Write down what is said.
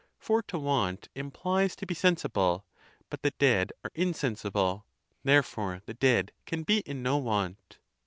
For to want implies to be sensible; but the dead are insensible: therefore, the dead can be in no want.